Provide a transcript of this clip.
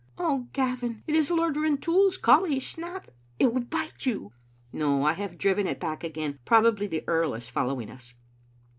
" Oh, Gavin, it is Lord Rintoul's collie Snap. It will bite you." " No, I have driven it back again. Probably the earl is following us.